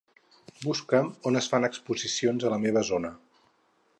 Busca'm on fan exposicions a la meva zona.